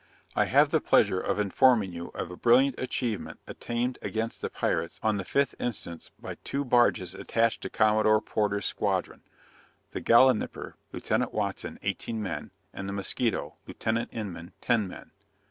"I have the pleasure of informing you of a brilliant achievement obtained against the pirates on the 5th inst. by two barges attached to Commodore Porter's squadron, the Gallinipper, Lieut. Watson, 18 men, and the Moscheto, Lieut. Inman, 10 men.